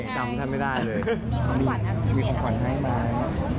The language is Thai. จะมีสัญควรให้มั้ย